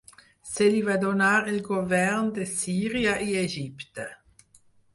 Se li va donar el govern de Síria i Egipte.